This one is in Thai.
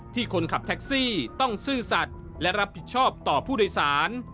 คนขับแท็กซี่ต้องซื่อสัตว์และรับผิดชอบต่อผู้โดยสาร